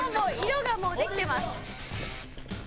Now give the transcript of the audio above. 色がもうできてます。